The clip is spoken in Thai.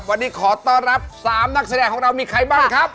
วันนี้ขอต้อนรับ๓นักแสดงของเรามีใครบ้างครับ